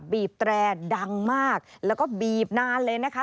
บีบแตรดังมากแล้วก็บีบนานเลยนะคะ